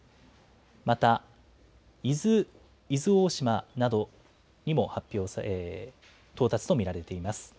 また伊豆大島などにも到達と見られます。